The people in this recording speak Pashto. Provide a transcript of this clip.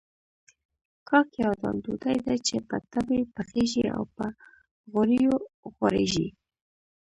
کاک يو ډول ډوډۍ ده چې په تبۍ پخېږي او په غوړيو غوړېږي.